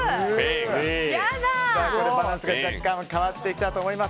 バランスが若干変わってきたと思います。